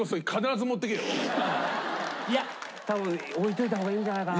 いや多分置いといた方がいいんじゃないかな。